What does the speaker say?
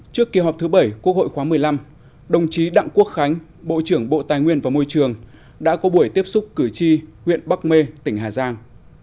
trước kỳ họp thứ bảy quốc hội khóa một mươi năm đồng chí đặng quốc khánh bộ trưởng bộ tài nguyên và môi trường đã có buổi tiếp xúc cử tri huyện bắc mê tỉnh hà giang